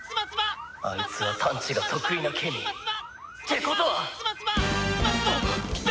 「あいつは探知が得意なケミー。ってことは！」